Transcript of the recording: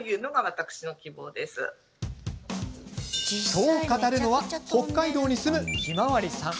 そう語るのは北海道に住むひまわりさん。